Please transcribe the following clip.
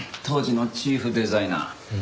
当時のチーフデザイナー。